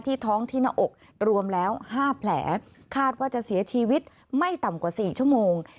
ท้องที่หน้าอกรวมแล้ว๕แผลคาดว่าจะเสียชีวิตไม่ต่ำกว่า๔ชั่วโมง